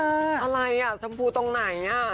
อะไรอ่ะชมพูตรงไหน